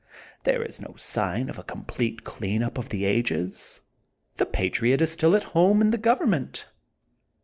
There is no sign of a com plete clean up of the ages. The patriot is still at home in the government.